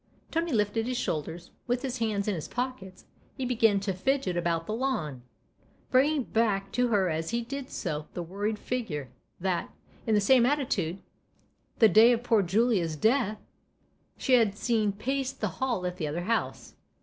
Tony lifted his shoulders ; with his hands in his pockets he had begun to fidget about the lawn bringing back to her as he did so the worried figure that, in the same attitude, the day of poor Julia's death, she had seen pace the hall at the other house.